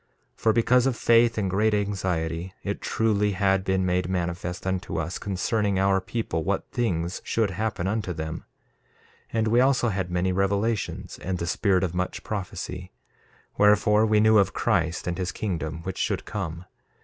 1:5 For because of faith and great anxiety, it truly had been made manifest unto us concerning our people, what things should happen unto them. 1:6 And we also had many revelations, and the spirit of much prophecy; wherefore, we knew of Christ and his kingdom, which should come.